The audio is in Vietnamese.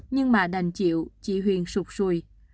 nhưng mà đành chịu chị huyền sụp sùi